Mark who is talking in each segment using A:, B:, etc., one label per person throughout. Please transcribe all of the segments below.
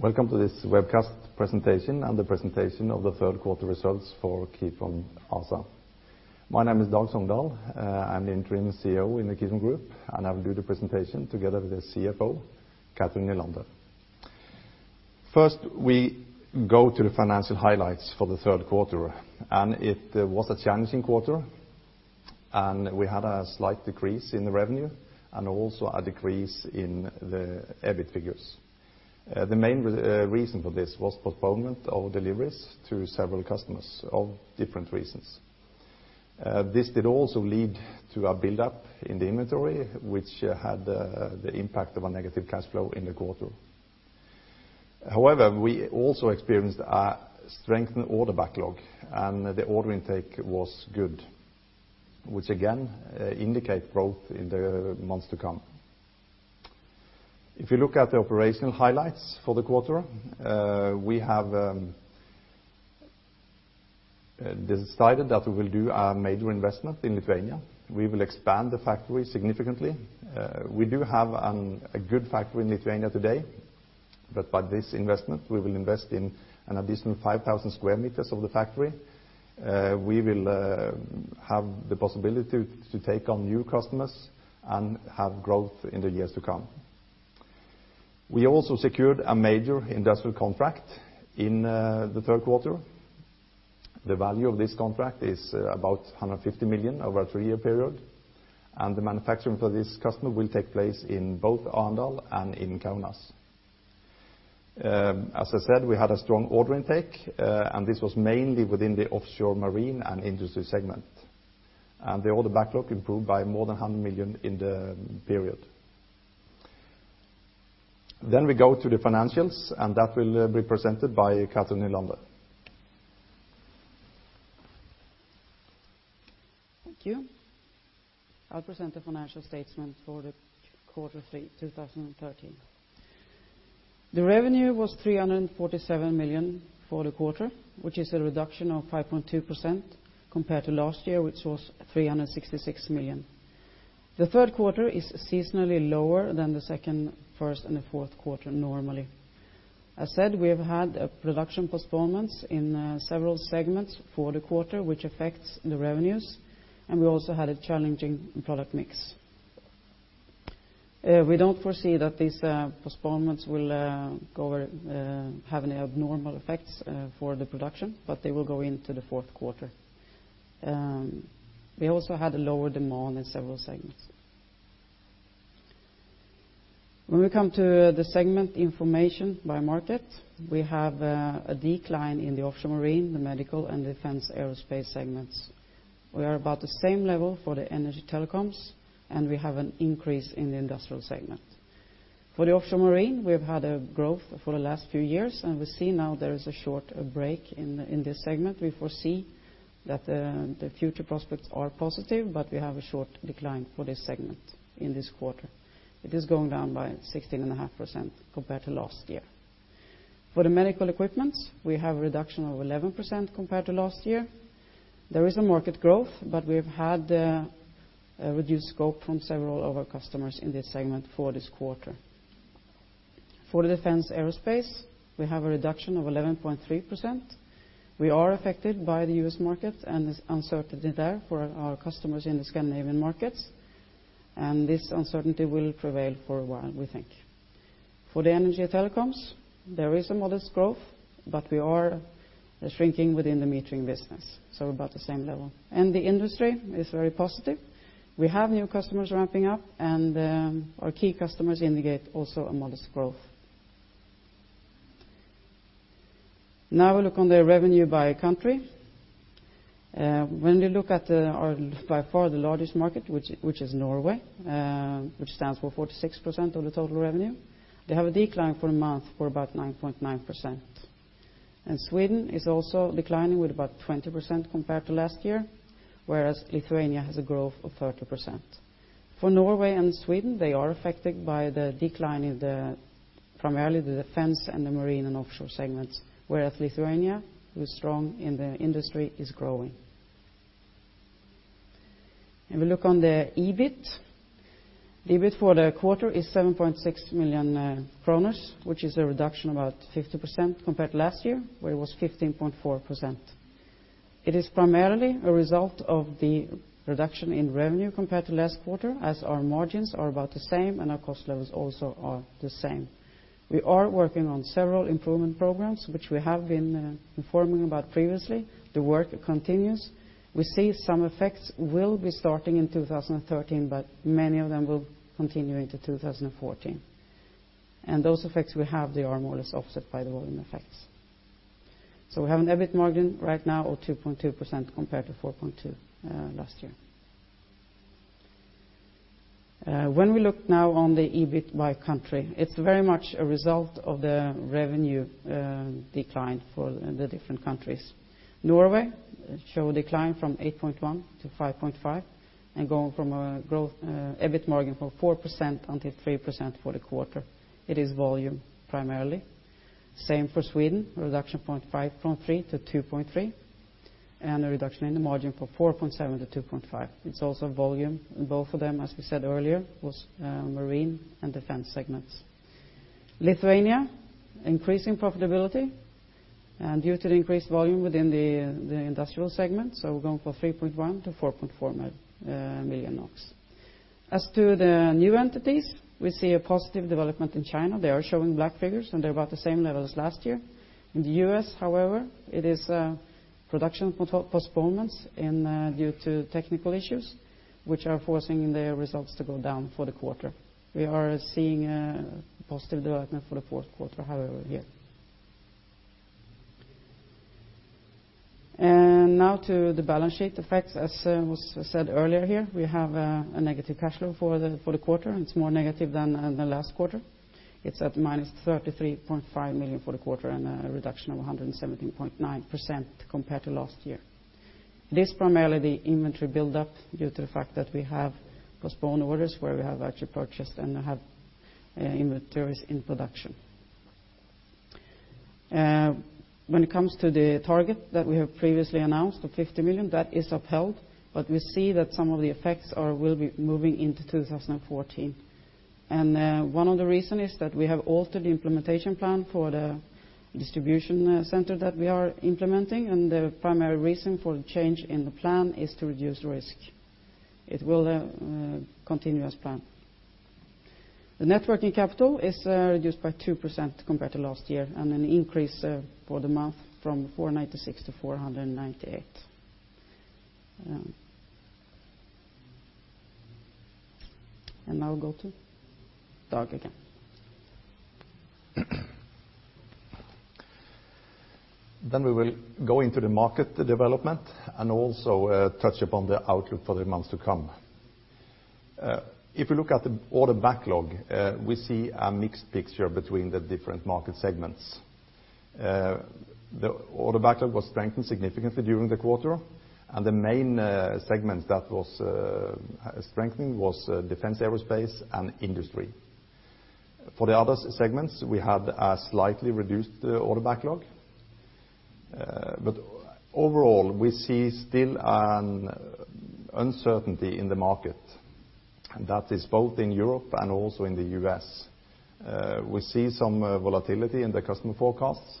A: Welcome to this webcast presentation and the Presentation of the Third Quarter Results for Kitron ASA. My name is Dag Songedal. I'm the interim CEO in the Kitron Group, and I will do the presentation together with the CFO, Cathrin Nylander. First, we go to the financial highlights for the third quarter, and it was a challenging quarter, and we had a slight decrease in the revenue and also a decrease in the EBIT figures. The main reason for this was postponement of deliveries to several customers of different reasons. This did also lead to a buildup in the inventory, which had the impact of a negative cash flow in the quarter. However, we also experienced a strengthened order backlog, and the order intake was good, which again, indicate growth in the months to come. If you look at the operational highlights for the quarter, we have decided that we will do a major investment in Lithuania. We will expand the factory significantly. We do have a good factory in Lithuania today, but by this investment, we will invest in an additional 5,000 square meters of the factory. We will have the possibility to take on new customers and have growth in the years to come. We also secured a major industrial contract in the third quarter. The value of this contract is about 150 million over a 3-year period, and the manufacturing for this customer will take place in both Arendal and in Kaunas. As I said, we had a strong order intake, and this was mainly within the Offshore/Marine and industry segment. The order backlog improved by more than 100 million in the period. We go to the financials, and that will be presented by Cathrin Nylander.
B: Thank you. I'll present the financial statement for the quarter three 2013. The revenue was 347 million for the quarter, which is a reduction of 5.2% compared to last year, which was 366 million. The third quarter is seasonally lower than the second, first, and the fourth quarter normally. As said, we have had a production postponements in several segments for the quarter, which affects the revenues. We also had a challenging product mix. We don't foresee that these postponements will go have any abnormal effects for the production. They will go into the fourth quarter. We also had a lower demand in several segments. When we come to the segment information by market, we have a decline in the Offshore/Marine, the Medical, and Defense/Aerospace segments. We are about the same level for the Energy/Telecoms, and we have an increase in the industrial segment. For the Offshore/Marine, we've had a growth for the last few years, and we see now there is a short break in this segment. We foresee that the future prospects are positive, but we have a short decline for this segment in this quarter. It is going down by 16.5% compared to last year. For the Medical equipments, we have a reduction of 11% compared to last year. There is a market growth, but we've had a reduced scope from several of our customers in this segment for this quarter. For the Defense/Aerospace, we have a reduction of 11.3%. We are affected by the US market and its uncertainty there for our customers in the Scandinavian markets. This uncertainty will prevail for a while, we think. For the Energy/Telecoms, there is a modest growth, but we are shrinking within the metering business, so about the same level. The industry is very positive. We have new customers ramping up, and our key customers indicate also a modest growth. Now, we look on the revenue by country. When we look at our by far the largest market, which is Norway, which stands for 46% of the total revenue, they have a decline for the month for about 9.9%. Sweden is also declining with about 20% compared to last year, whereas Lithuania has a growth of 30%. For Norway and Sweden, they are affected by the decline in the, primarily the defense and the Offshore/Marine segments, whereas Lithuania, who is strong in the industry, is growing. If we look on the EBIT. The EBIT for the quarter is 7.6 million kroner, which is a reduction about 50% compared to last year, where it was 15.4%. It is primarily a result of the reduction in revenue compared to last quarter, as our margins are about the same and our cost levels also are the same. We are working on several improvement programs, which we have been informing about previously. The work continues. We see some effects will be starting in 2013, but many of them will continue into 2014. Those effects we have, they are more or less offset by the volume effects. We have an EBIT margin right now of 2.2% compared to 4.2% last year. When we look now on the EBIT by country, it's very much a result of the revenue decline for the different countries. Norway show decline from 8.1% to 5.5% and going from a growth EBIT margin from 4% until 3% for the quarter. It is volume, primarily. Same for Sweden, reduction 0.5 from 3% to 2.3%. And a reduction in the margin for 4.7% to 2.5%. It's also volume in both of them, as we said earlier, was Marine and Defense segments. Lithuania, increasing profitability, and due to the increased volume within the industrial segment, so we're going from 3.1 to 4.4 million NOK. As to the new entities, we see a positive development in China. They are showing black figures, and they're about the same level as last year. In the U.S., however, it is production postponements and due to technical issues which are forcing the results to go down for the quarter. We are seeing a positive development for the fourth quarter, however, here. Now to the balance sheet. The facts, as was said earlier here, we have a negative cash flow for the quarter. It's more negative than the last quarter. It's at -33.5 million for the quarter and a reduction of 117.9% compared to last year. This primarily inventory buildup due to the fact that we have postponed orders where we have actually purchased and have inventories in production. When it comes to the target that we have previously announced of 50 million, that is upheld, we see that some of the effects will be moving into 2014. One of the reason is that we have altered the implementation plan for the distribution center that we are implementing, the primary reason for the change in the plan is to reduce risk. It will continue as planned. The net working capital is reduced by 2% compared to last year and an increase for the month from 496 to 498. Now go to Dag again.
A: We will go into the market, the development, and also touch upon the outlook for the months to come. If you look at the order backlog, we see a mixed picture between the different market segments. The order backlog was strengthened significantly during the quarter, and the main segment that was strengthening was defense aerospace and industry. For the other segments, we had a slightly reduced order backlog. Overall, we see still an uncertainty in the market, and that is both in Europe and also in the U.S. We see some volatility in the customer forecasts,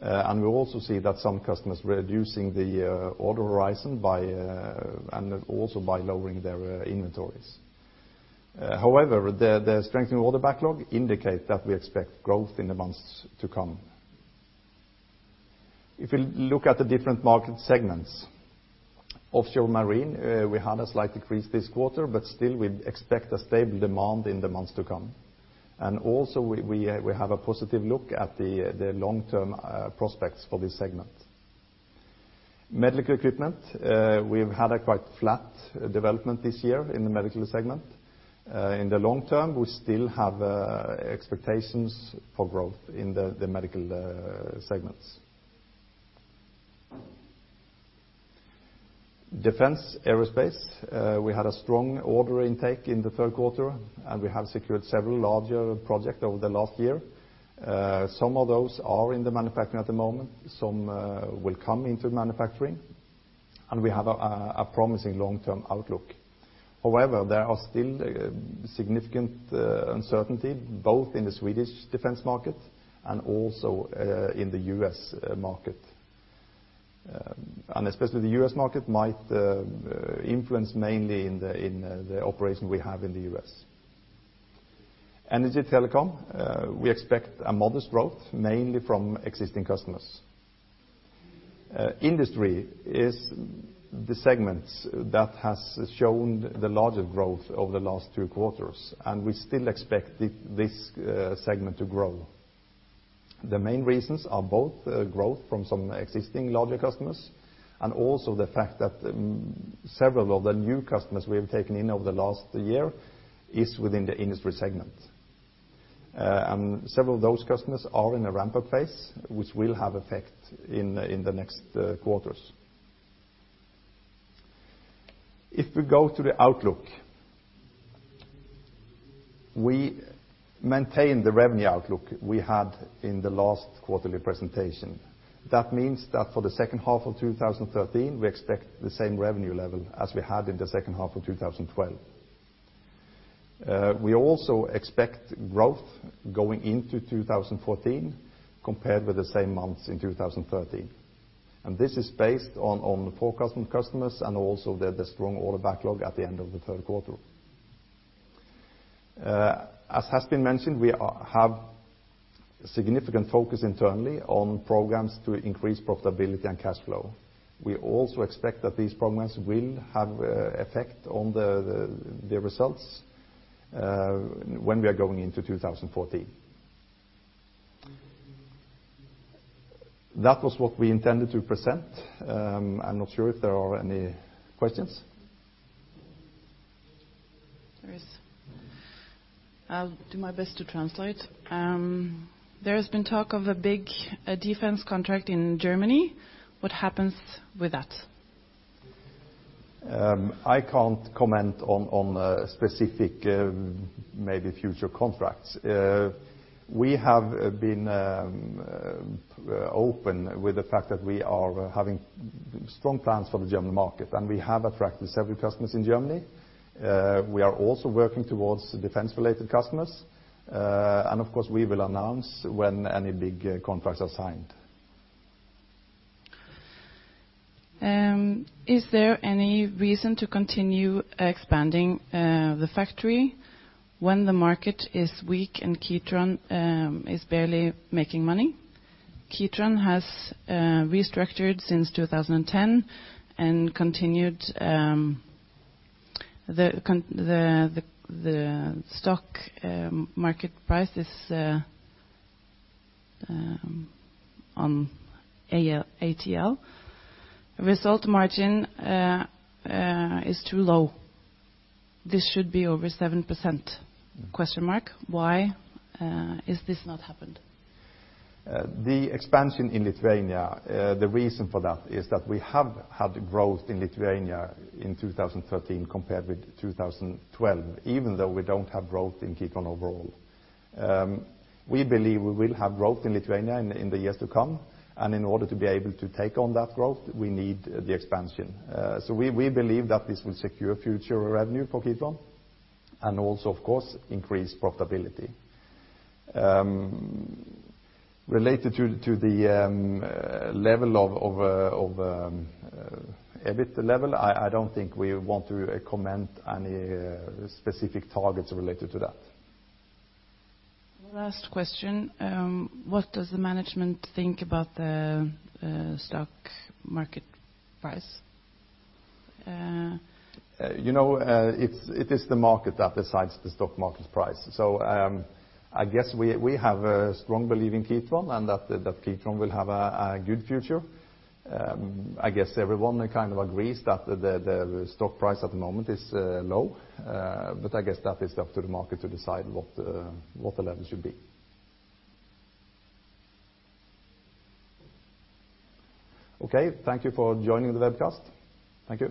A: and we also see that some customers reducing the order horizon by and also by lowering their inventories. However, the strengthening order backlog indicate that we expect growth in the months to come. If you look at the different market segments, Offshore/Marine, we had a slight decrease this quarter, but still we expect a stable demand in the months to come. Also we have a positive look at the long-term prospects for this segment. Medical equipment, we've had a quite flat development this year in the medical segment. In the long term, we still have expectations for growth in the medical segments. defense aerospace, we had a strong order intake in the third quarter, and we have secured several larger project over the last year. Some of those are in the manufacturing at the moment. Some will come into manufacturing, and we have a promising long-term outlook. However, there are still significant uncertainty both in the Swedish defense market and also in the U.S. market. Especially the U.S. market might influence mainly in the operation we have in the U.S. Energy/Telecoms, we expect a modest growth, mainly from existing customers. Industry is the segment that has shown the largest growth over the last two quarters, and we still expect this segment to grow. The main reasons are both growth from some existing larger customers and also the fact that several of the new customers we have taken in over the last year is within the industry segment. Several of those customers are in a ramp-up phase, which will have effect in the next quarters. If we go to the outlook, we maintain the revenue outlook we had in the last quarterly presentation. That means that for the second half of 2013, we expect the same revenue level as we had in the second half of 2012. We also expect growth going into 2014 compared with the same months in 2013. This is based on the forecast from customers and also the strong order backlog at the end of the third quarter. As has been mentioned, we have significant focus internally on programs to increase profitability and cash flow. We also expect that these programs will have effect on the results when we are going into 2014. That was what we intended to present. I'm not sure if there are any questions.
B: There is. I'll do my best to translate. There has been talk of a big defense contract in Germany. What happens with that?
A: I can't comment on specific maybe future contracts. We have been open with the fact that we are having strong plans for the German market, and we have attracted several customers in Germany. We are also working towards defense-related customers. Of course, we will announce when any big contracts are signed.
B: Is there any reason to continue expanding the factory when the market is weak and Kitron is barely making money? Kitron has restructured since 2010 and continued the stock market price is on ATL. Result margin is too low. This should be over 7%? Why is this not happened?
A: The expansion in Lithuania, the reason for that is that we have had growth in Lithuania in 2013 compared with 2012, even though we don't have growth in Kitron overall. We believe we will have growth in Lithuania in the years to come, and in order to be able to take on that growth, we need the expansion. So we believe that this will secure future revenue for Kitron and also, of course, increase profitability. Related to the EBIT level, I don't think we want to comment any specific targets related to that
B: Last question. What does the management think about the stock market price?
A: You know, it is the market that decides the stock market price. I guess we have a strong belief in Kitron and that Kitron will have a good future. I guess everyone kind of agrees that the stock price at the moment is low but I guess that is up to the market to decide what the level should be. Okay, thank you for joining the webcast. Thank you.